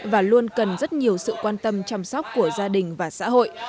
và luôn cần rất nhiều sự quan tâm chăm sóc của gia đình và xã hội